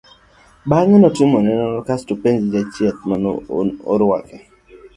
bang'e to notimone nonro ae to openje jachieth manorwake